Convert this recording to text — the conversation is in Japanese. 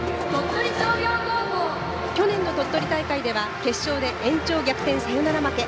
去年の鳥取大会では決勝で延長逆転サヨナラ負け。